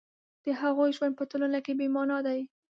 د هغوی ژوند په ټولنه کې بې مانا دی